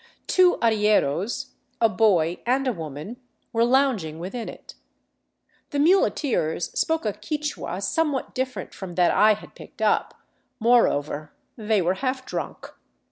Two arrieros, a boy, and a woman, were lounging within it. The muleteers spoke a Quichua somewhat different from that I had picked up ; moreover they were half drunk.